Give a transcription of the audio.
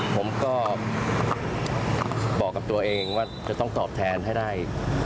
ผมก็บอกกับตัวเองว่าจะต้องตอบแทนให้ได้